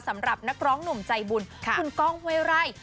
สำหรับนักร้องหนุ่มใจบุญคุณก้องห้วยไร่